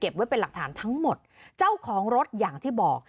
ไว้เป็นหลักฐานทั้งหมดเจ้าของรถอย่างที่บอก